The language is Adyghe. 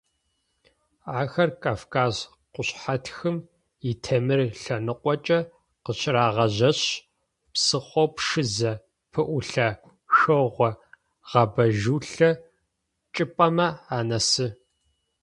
Ахэр Кавказ къушъхьэтхым итемыр лъэныкъокӏэ къыщырагъажьэшъ, псыхъоу Пшызэ пэӏулъэшъогъэ гъэбэжъулъэ чӏыпӏэмэ анэсы.